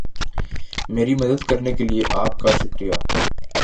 میری مدد کرنے کے لئے آپ کا شکریہ